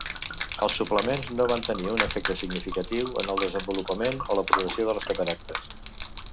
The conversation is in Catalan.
Els suplements no van tenir un efecte significatiu en el desenvolupament o la progressió de les cataractes.